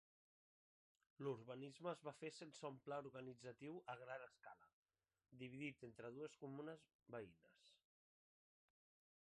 L'urbanisme es va fer sense un pla organitzatiu a gran escala, dividit entre dues comunes veïnes.